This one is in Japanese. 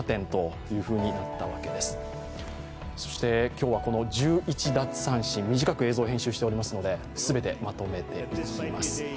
今日はこの１１奪三振短く映像を編集していますので全てまとめて見せます。